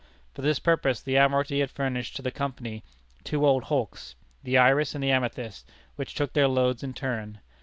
For this purpose the Admiralty had furnished to the Company two old hulks, the Iris and the Amethyst, which took their loads in turn.